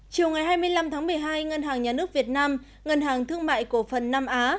chiều ngày hai mươi năm tháng một mươi hai ngân hàng nhà nước việt nam ngân hàng thương mại cổ phần nam á